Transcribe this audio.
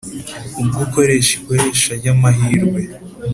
ubw ukoresha ikoresha ry amahirwe